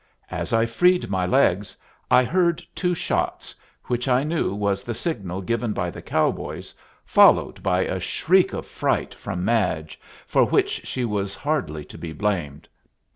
As I freed my legs I heard two shots, which I knew was the signal given by the cowboys, followed by a shriek of fright from Madge, for which she was hardly to be blamed.